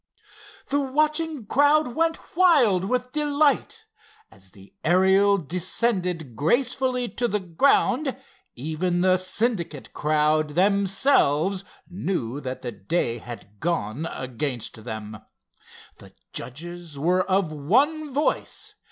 The watching crowd went wild with delight. As the Ariel descended gracefully to the ground, even the Syndicate crowd themselves knew that the day had gone against them. The judges were of one voice.